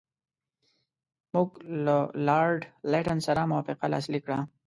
موږ له لارډ لیټن سره موافقتنامه لاسلیک کړه.